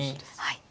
はい。